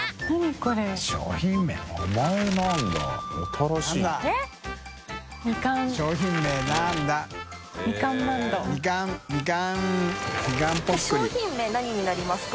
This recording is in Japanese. これ商品名何になりますか？